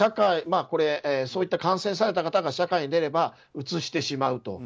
そういった感染された方が社会に出ればうつしてしまうと。